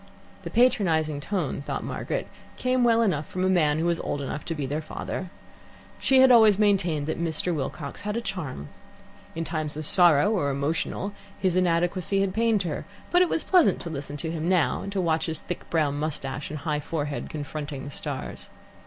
The patronizing tone thought Margaret, came well enough from a man who was old enough to be their father. She had always maintained that Mr. Wilcox had a charm. In times of sorrow or emotion his inadequacy had pained her, but it was pleasant to listen to him now, and to watch his thick brown moustache and high forehead confronting the stars.